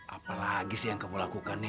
apa lagi sih yang kamu lakukan nih